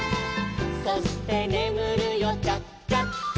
「そしてねむるよチャチャチャ」